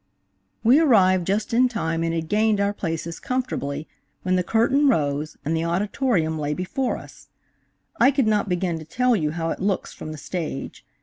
We arrived just in time and had gained our places comfortably when the curtain rose and the Auditorium lay before us. I could not begin to tell you how it looks from the stage.